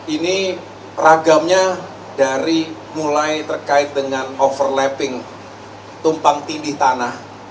ini ragamnya dari mulai terkait dengan overlapping tumpang tindih tanah